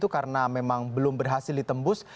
karena memang belum berhasil ditembus